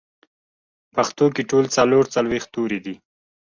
پښتو کې ټول څلور څلوېښت توري دي